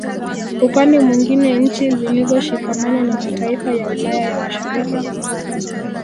Upande mwingine nchi zilizoshikamana na mataifa ya Ulaya ya Mashariki